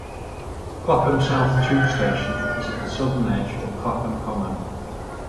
Clapham South tube station is at the southern edge of Clapham Common.